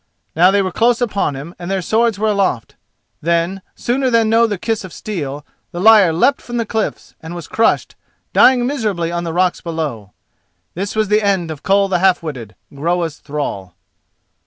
Now they were close upon him and their swords were aloft. Then, sooner than know the kiss of steel, the liar leapt from the cliffs and was crushed, dying miserably on the rocks below. This was the end of Koll the Half witted, Groa's thrall.